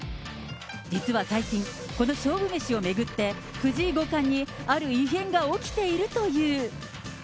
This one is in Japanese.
実は最近、この勝負メシを巡って、藤井五冠にある異変が起きているという。